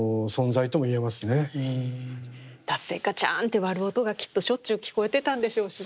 だってガチャンって割る音がきっとしょっちゅう聞こえてたんでしょうしね。